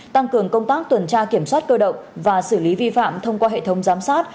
tăng cường công tác tuần tra kiểm soát cơ động và xử lý vi phạm thông qua hệ thống giám sát